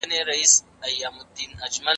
نوري به تربور ته توري کښلي سترګي سرې نه وي